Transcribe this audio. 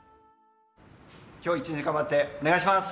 今日一日頑張ってお願いします！